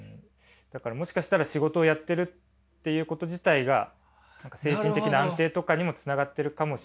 だからもしかしたら仕事をやってるっていうこと自体が精神的な安定とかにもつながってるかもしれない。